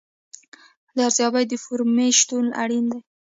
د ارزیابۍ د فورمې شتون اړین دی.